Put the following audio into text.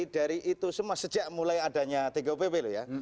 dari itu semua sejak mulai adanya tgupp loh ya